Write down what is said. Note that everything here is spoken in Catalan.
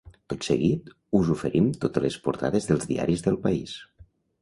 Tot seguit, us oferim totes les portades dels diaris del país.